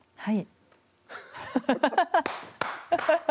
はい。